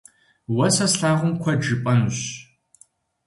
Уэ сэ слъагъум куэд жыпӏэнущ.